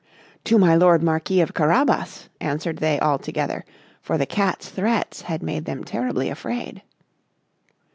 "To my lord Marquis of Carabas," answered they all together; for the Cat's threats had made them terribly afraid.